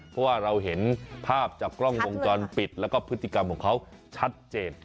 เพราะว่าเราเห็นภาพจากกล้องวงจรปิดแล้วก็พฤติกรรมของเขาชัดเจน